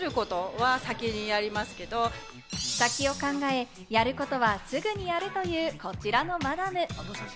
先を考え、やることはすぐにやるという、こちらのマダム。